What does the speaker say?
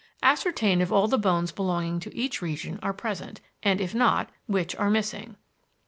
Ascertain if all the bones belonging to each region are present, and if not, which are missing.